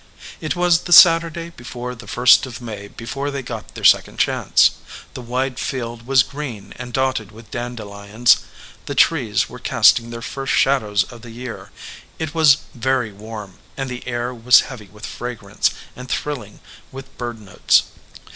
It was the Saturday before the ist of May before they got their second chance. The wide field was green and dotted with dandelions; the trees were casting their first shadows of the year. It was 4 41 EDGEWATER PEOPLE very warm, and the air was heavy with fragrance and thrilling with bird notes.